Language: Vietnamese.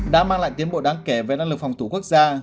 đã mang lại tiến bộ đáng kể về năng lực phòng thủ quốc gia